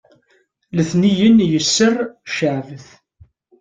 letniyen yesser ceɛbet